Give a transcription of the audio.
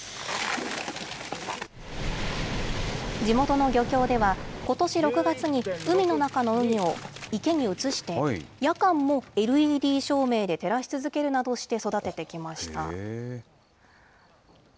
地元の漁協では、ことし６月に海の中のウニを池に移して、夜間もＬＥＤ照明で照らし続けるなどして育ててきました。